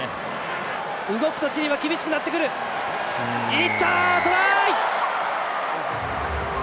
いった！トライ！